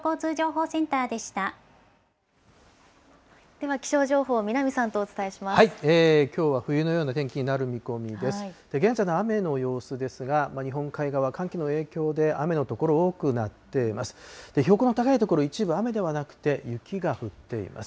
現在の雨の様子ですが、日本海側、寒気の影響で、雨の所多くなっています。